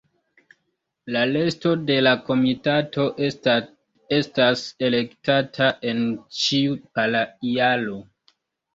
La resto de la komitato estas elektata en ĉiu para jaro.